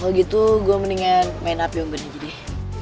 kalo gitu gua mendingan main api ongkot aja deh